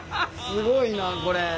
すごいなこれ。